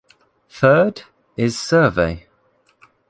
Third, is survey.